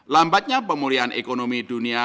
lambatnya pemulihan ekonomi dunia